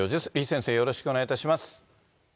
李先生、よろしくお願いいたします。